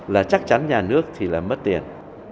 là chắc chắn nhà nước thì là mất tiền